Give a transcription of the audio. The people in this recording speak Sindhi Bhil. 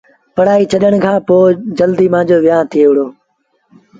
پڙهآئيٚ ڇڏڻ کآݩ پو جلديٚ مآݩجو ويهآݩ ٿئي وُهڙو ۔